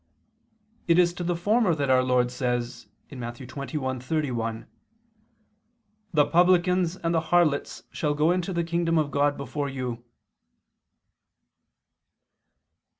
It is to the former that our Lord says (Matt. 21:31): "The publicans and the harlots shall go into the kingdom of God before you."